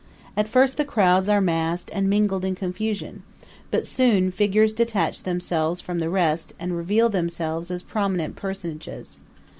At first the crowds are massed and mingled in confusion, but soon figures detach themselves from the rest and reveal themselves as prominent personages.